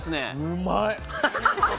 うまい！